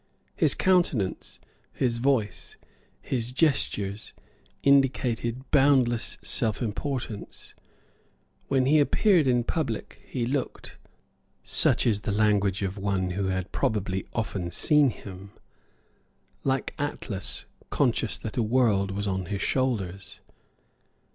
His countenance, his voice, his gestures, indicated boundless self importance. When he appeared in public he looked, such is the language of one who probably had often seen him, like Atlas conscious that a world was on his shoulders.